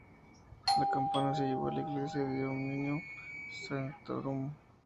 La campana se llevó a la Iglesia de Omnium Sanctorum.